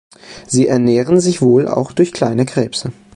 Sie ernähren sich wohl auch durch kleine Krebse.